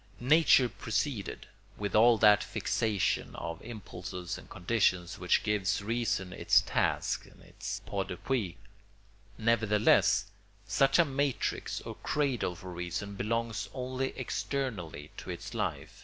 Nature preceded, with all that fixation of impulses and conditions which gives reason its tasks and its point d'appui. Nevertheless, such a matrix or cradle for reason belongs only externally to its life.